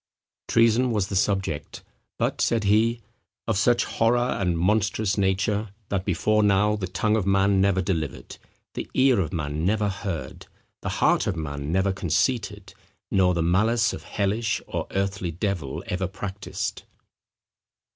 Treason was the subject, but, said he, "of such horror, and monstrous nature, that before now, the tongue of man never delivered, the ear of man never heard, the heart of man never conceited, nor the malice of hellish or earthly devil ever practised."